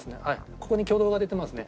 ここに挙動が出てますね。